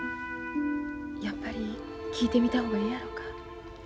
やっぱり聞いてみた方がええやろか。